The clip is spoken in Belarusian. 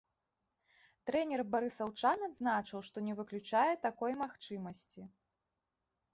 Трэнер барысаўчан адзначыў, што не выключае такой магчымасці.